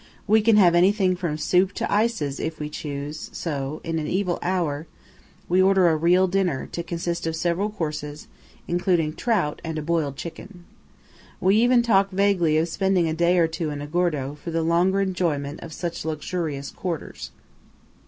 We can have anything from. soup to ices, if we choose; so, in an evil hour, we order a "real" dinner, to consist of several courses, including trout and a boiled chicken. We even talk vaguely of spending a day or two in Agordo, for the longer enjoyment of such luxurious quarters.